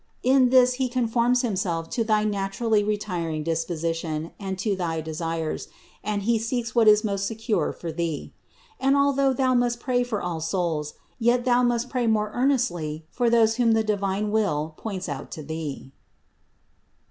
In this He conforms Himself to thy naturally retiring disposition and to thy desires, and He seeks what is most secure for thee. And, although thou must pray for all souls, yet thou must pray more earnestly for those whom the divine will points out to thee.